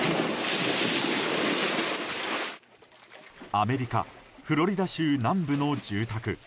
アメリカ・フロリダ州南部の住宅。